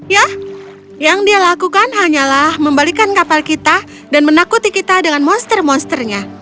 ya yang dia lakukan hanyalah membalikan kapal kita dan menakuti kita dengan monster monsternya